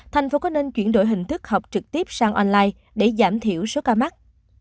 tp hcm có nên chuyển đổi hình thức học trực tiếp sang online để giảm thiểu số ca mắc